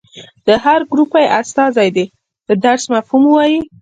د هر ګروپ استازي دې د درس مفهوم ووايي.